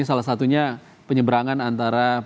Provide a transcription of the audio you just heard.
salah satunya penyeberangan antara